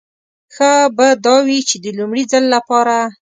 ښه به دا وي چې د لومړي ځل لپاره.